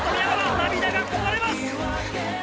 涙がこぼれます。